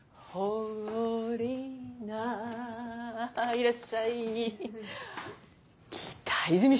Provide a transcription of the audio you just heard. いらっしゃい。